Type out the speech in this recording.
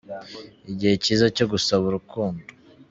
Igihe cyiza cyo gusaba urukundo